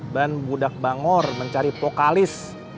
ban budak bangor mencari vokalis